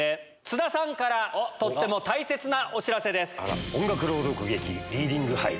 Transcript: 津田さんからとっても大切なお知らせです。